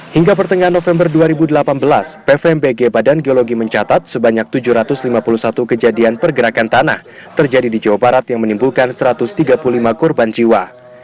hingga pertengahan november dua ribu delapan belas pvmbg badan geologi mencatat sebanyak tujuh ratus lima puluh satu kejadian pergerakan tanah terjadi di jawa barat yang menimbulkan satu ratus tiga puluh lima korban jiwa